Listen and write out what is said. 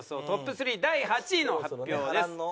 トップ３第８位の発表です。